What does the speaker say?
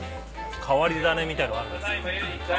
変わり種みたいなのはあるんですか？